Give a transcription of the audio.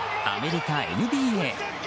アメリカＮＢＡ。